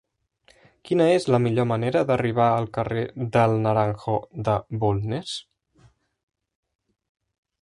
Quina és la millor manera d'arribar al carrer del Naranjo de Bulnes?